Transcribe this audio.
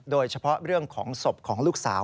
โดยเฉพาะเรื่องของศพของลูกสาว